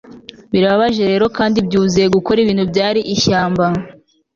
birababaje rero kandi byuzuye gukora ibintu byari ishyamba